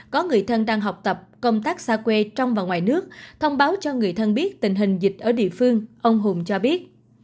có người thân đang học tập công tác xa quê trong và ngoài nước thông báo cho người thân biết tình hình dịch ở địa phương ông hùng cho biết